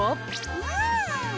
うん！